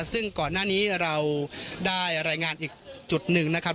ซึ่งก่อนหน้านี้เราได้รายงานอีกจุดหนึ่งนะครับ